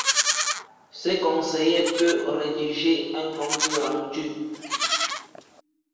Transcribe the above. Ce conseiller peut rédiger un compte-rendu.